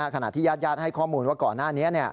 ขณะที่ยาดให้ข้อมูลว่าก่อนหน้านี้